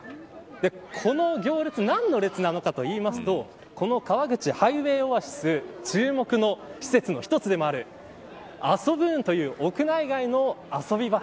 この行列、何の列なのかというとこの川口ハイウェイオアシス注目の施設の一つでもあるＡＳＯＢｏｏＮという屋内外の遊び場。